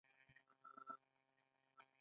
د نجونو پرائمري سکول کلي شېر محمد تارڼ.